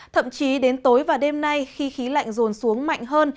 thậm chí đến tối và đêm nay khi khí lạnh rồn xuống mạnh hơn